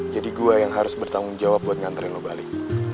jadi gue yang harus bertanggung jawab buat nganterin lo balik